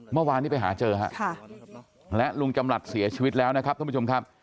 เมื่อวานนี้ไปหาเจอฮะและลุงจำหลัดเสียชีวิตแล้วนะครับท่านผู้ชมครับ